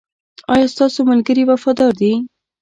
ایا ستاسو ملګري وفادار دي؟